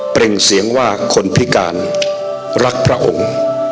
่งเสียงว่าคนพิการรักพระองค์